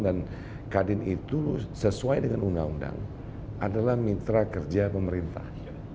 dan kadin itu sesuai dengan undang undang adalah mitra kerja pemerintah